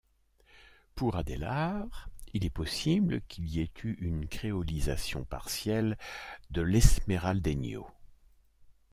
Pour Adelaar, il est possible qu'il y ait eû une créolisation partielle de l'esmeraldeño.